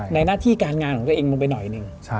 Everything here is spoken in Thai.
หน้าที่การงานของตัวเองลงไปหน่อยหนึ่ง